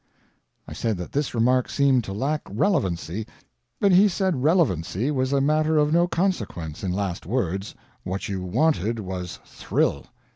I said that this remark seemed to lack relevancy; but he said relevancy was a matter of no consequence in last words, what you wanted was thrill.